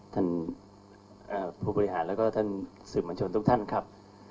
ท่านผู้บริหารและท่านศึกผลัญชนทุกท่านครับ